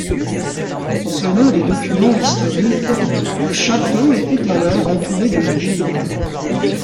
Selon des documents historiques, le château était alors entouré d'une douve.